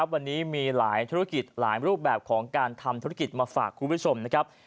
วันนี้มีหลายธุรกิจหลายรูปแบบของการทำธุรกิจมาฝากคุณผู้ชมนะครับ